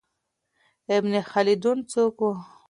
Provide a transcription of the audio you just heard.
ابن خلدون څوک و؟